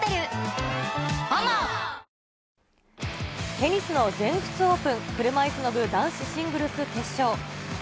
テニスの全仏オープン車いすの部男子シングルス決勝。